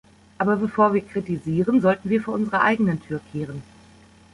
Aber bevor wir kritisieren, sollten wir vor unserer eigenen Tür kehren.